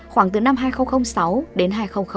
khoảng từ năm hai nghìn sáu đến hai nghìn bảy